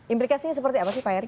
implikasinya seperti apa sih pak heri